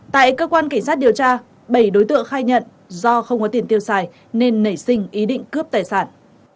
tại cơ quan cảnh sát điều tra bảy đối tượng khai nhận do không có tiền tiêu xài nên nảy sinh ý định cướp tài sản